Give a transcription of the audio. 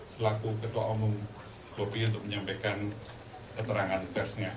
selaku ketua umum bopi untuk menyampaikan keterangan versinya